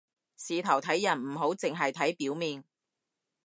事頭睇人唔好淨係睇表面